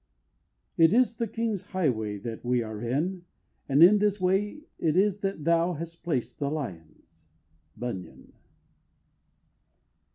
"It is the king's highway that we are in, and in this way it is that thou hast placed the lions." BUNYAN.